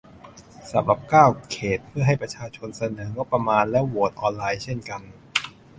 สำหรับ เก้า เขต เพื่อให้ประชาชนเสนองบประมาณ และ โหวตออนไลน์เช่นกัน